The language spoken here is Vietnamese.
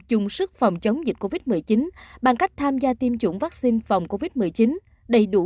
đủ sức phòng chống dịch covid một mươi chín bằng cách tham gia tiêm chủng vắc xin phòng covid một mươi chín đầy đủ